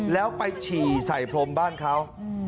แล้วไปฉี่ใส่พรมบ้านเขา